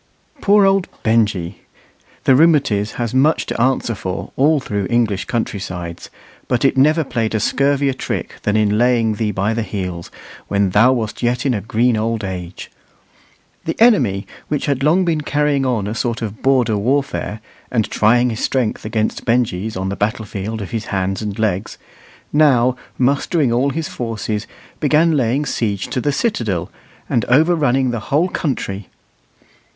Poor old Benjy! The "rheumatiz" has much to answer for all through English country sides, but it never played a scurvier trick than in laying thee by the heels, when thou wast yet in a green old age. The enemy, which had long been carrying on a sort of border warfare, and trying his strength against Benjy's on the battlefield of his hands and legs, now, mustering all his forces, began laying siege to the citadel, and overrunning the whole country.